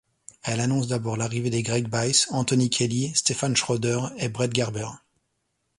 Elle annonce d'abord l'arrivée des Greg Bice, Anthony Kelly, Stefan Schroder et Brett Garber.